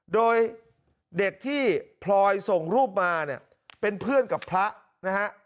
โดยเด็กที่พลอยส่งรูปมาเนี่ยเป็นเพื่อนกับพระนะฮะ